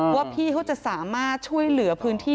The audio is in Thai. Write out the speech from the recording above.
ว่าพี่เขาจะสามารถช่วยเหลือพื้นที่